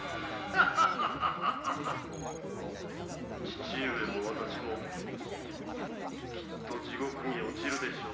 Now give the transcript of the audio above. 父上もわたしもきっと地獄に落ちるでしょう。